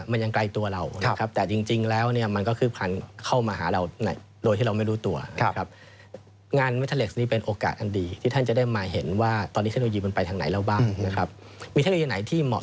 มันยังไกลตัวเรานะครับแต่จริงแล้วมันก็คือพันธุ์เข้ามาหาเรา